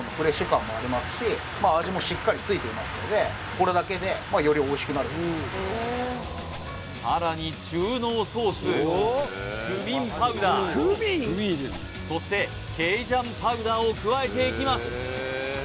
ここで課題のミートソースが入りますさらに中濃ソースクミンパウダーそしてケイジャンパウダーを加えていきます